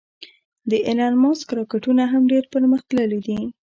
د ایلان ماسک راکټونه هم ډېر پرمختللې دې